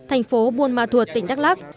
thành phố buôn ma thuật tỉnh đắk lắc